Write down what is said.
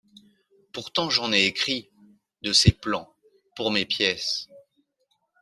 Pourtant j’en ai écrit, de ces plans, pour mes pièces.